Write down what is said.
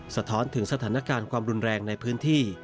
สะท้อนถึงสถานการณ์ความรุนแรงในพื้นที่